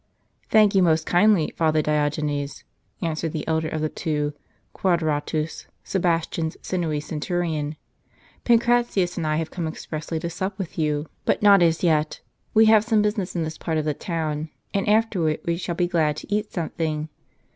" Thank you most kindly, father Diogenes," answered the elder of the two, Quadratus, Sebastian's sinewy centurion :" Pancratius and I have come expressly to sup with you. But not as yet ; we have some business in this part of the town, and after it we shall be glad to eat something.